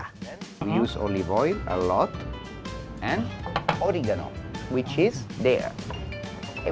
kita gunakan banyak olio dan oregano yang ada di sana